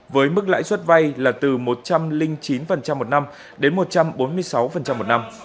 với mức lãi suất vay là từ một trăm linh chín một năm đến một trăm bốn mươi sáu một năm